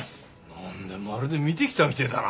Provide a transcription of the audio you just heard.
何だまるで見てきたみてえだな。